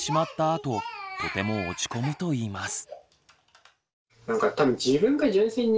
あととても落ち込むといいます。